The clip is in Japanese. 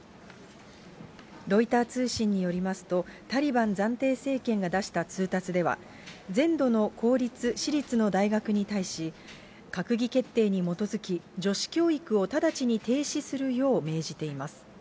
ロイター通信によりますと、タリバン暫定政権が出した通達では、全土の公立・私立の大学に対し、閣議決定に基づき、女子教育を直ちに停止するよう命じています。